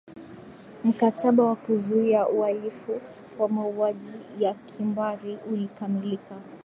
mkataba wa kuzuia ualifu wa mauaji ya kimbari ulikamilika